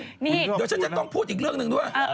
เดี๋ยวฉันจะต้องพูดอีกเรื่องหนึ่งด้วย